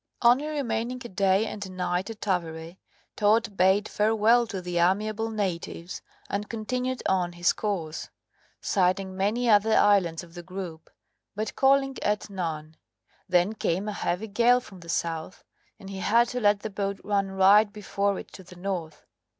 Only remaining a day and a night at Tawere, Todd bade farewell to the amiable natives, and continued on his course, sighting many other islands of the group, but calling at none. Then came a heavy gale from the south, and he had to let the boat run right before it to the north.